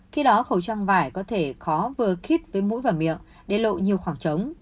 khi đó khẩu trang vải có thể khó vừa kit với mũi và miệng để lộ nhiều khoảng trống